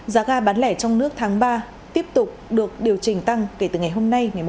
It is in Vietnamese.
giá ga bán lẻ trong nước tháng ba tiếp tục được điều chỉnh tăng kể từ ngày hôm nay ngày một tháng một